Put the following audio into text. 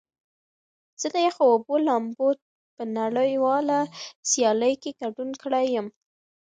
زه د یخو اوبو لامبو په نړیواله سیالۍ کې ګډون کړی یم.